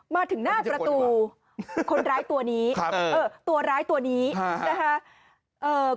มาถึงหน้าประตูคนร้ายตัวนี้ครับเออตัวร้ายตัวนี้นะคะ